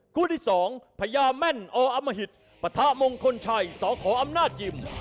คู่ที่๒พญาแม่นออมหิตปะทะมงคลชัยสขออำนาจยิม